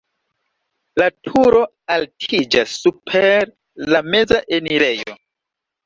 La turo altiĝas super la meza enirejo.